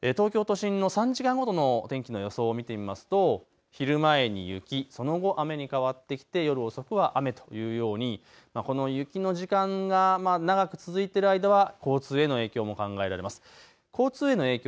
東京都心の３時間ごとの天気の予想を見てみますと昼前に雪、その後、雨に変わってきて夜遅くは雨というようにこの雪の時間が長く続いている間は交通への影響も考えられます。